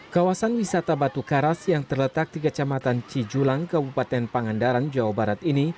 kawasan wisata batu karas yang terletak di kecamatan cijulang kabupaten pangandaran jawa barat ini